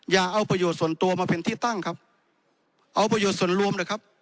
อย่าเอาประโยชน์ส่วนตัวมาเป็นที่ตั้งครับเอาประโยชน์ส่วนรวมเลยครับ